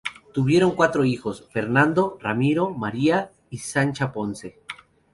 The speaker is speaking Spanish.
Tuvieron cuatro hijos: Fernando; Ramiro; María; y Sancha Ponce.